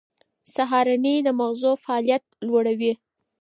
سهارنۍ د مغزو فعالیت لوړوي.